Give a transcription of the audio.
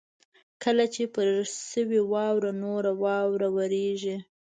کله چې پر شوې واوره نوره واوره ورېږي.